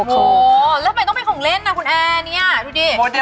โหแล้วมันไม่ต้องเป็นของเล่นนะคุณแอร์นี่ดูดิ